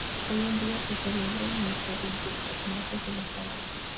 Hoy en día se celebran mercadillos los martes y los sábados.